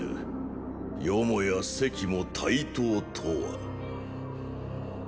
よもや席も対等とは。